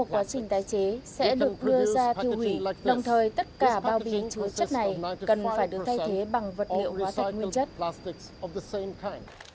quá trình tái chế sẽ được đưa ra tiêu hủy đồng thời tất cả bao bì chứa chất này cần phải được thay thế bằng vật liệu hóa thạch nguyên chất